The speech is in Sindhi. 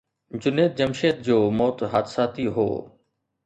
جنيد جمشيد جو موت حادثاتي هو.